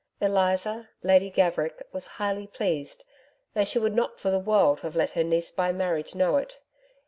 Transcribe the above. Eliza, Lady Gaverick, was highly pleased, though she would not for the world have let her niece by marriage know it.